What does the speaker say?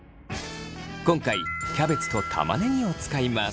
今回キャベツと玉ねぎを使います。